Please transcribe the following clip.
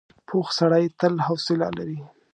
پوخ سړی تل حوصله لري